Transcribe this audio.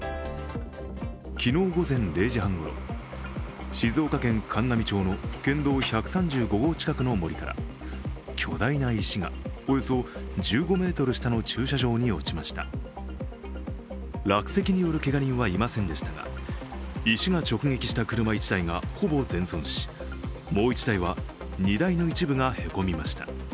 昨日午前０時半ごろ、静岡県函南町の県道１３５号近くの森から巨大な石がおよそ１５ｍ下の駐車場に落ちました落石によるけが人はいませんでしたが医師が直撃した車１台がほぼ全損しもう１台は荷台の一部がへこみました。